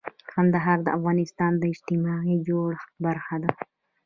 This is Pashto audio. کندهار د افغانستان د اجتماعي جوړښت برخه ده.